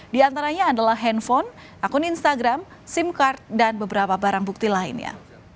di antaranya adalah handphone akun instagram sim card dan beberapa barang bukti lainnya